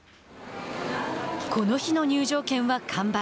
この日の入場券は完売。